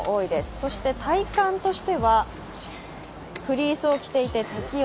そして体感としては、フリースを着ていて適温。